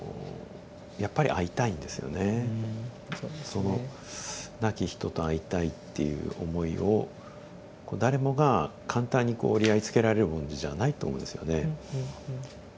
その亡き人と会いたいっていう思いを誰もが簡単にこう折り合いつけられるものじゃないと思うんですよね。